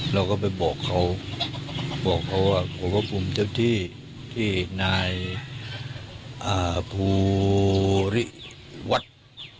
เราก็ไปบอกเขาบอกเขาว่าผมก็ภูมิเจ้าที่ที่นายภูริวัฒน์